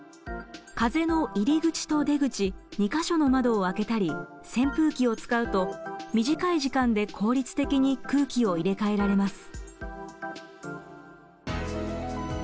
風の入り口と出口２か所の窓を開けたり扇風機を使うと短い時間で効率的に空気を入れ替えられます。